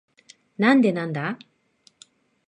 なんでなんだ？